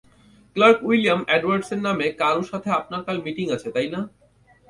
Clerk William Edwards নামের কারো সাথে আপনার কাল মিটিং আছে তাই না?